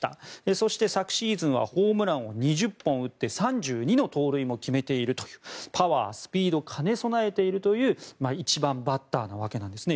そして、昨シーズンはホームランを２０本打って３２の盗塁も決めているというパワー、スピードを兼ね備えているという１番バッターなわけなんですね。